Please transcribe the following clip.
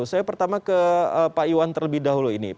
saya pertama ke pak iwan terlebih dahulu ini